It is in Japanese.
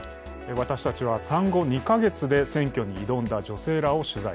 私たちは産後２か月で選挙に挑んだ女性らを取材。